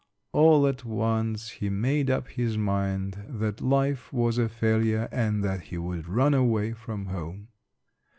All at once he made up his mind that life was a failure and that he would run away from home.